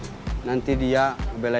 jangan dibiasain ngeremehin yaa